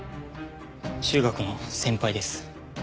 中学の先輩です。